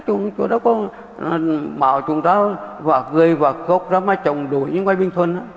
chúng ta có bảo chúng ta gây gốc ra mà chống đổi với nguyễn bình thuân